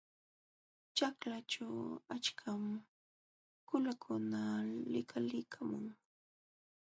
Ćhaklaćhu achkam qulakuna likalilqamun.